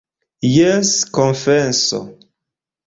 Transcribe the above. Jes, konfeso!